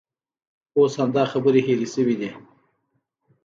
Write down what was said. اوس همدا خبرې هېرې شوې دي.